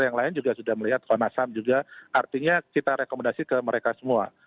yang lain juga sudah melihat komnas ham juga artinya kita rekomendasi ke mereka semua